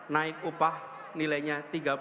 naik upah nilainya tiga puluh